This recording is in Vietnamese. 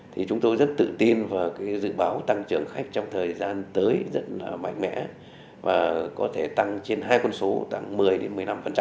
thì chúng tôi rất tự tin và dự báo tăng trưởng khách trong thời gian tới rất là mạnh mẽ và có thể tăng trên hai con số tăng một mươi đến một mươi năm